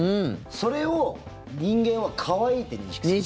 それを人間は可愛いって認識する。